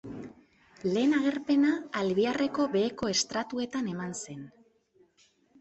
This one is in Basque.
Lehen agerpena Albiarreko beheko estratuetan eman zen.